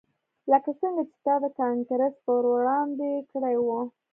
لکه څنګه چې تا د کانګرس په وړاندې کړي وو